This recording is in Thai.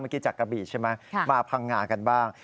เมื่อกี้จักรบีใช่ไหมมาพังงากันบ้าง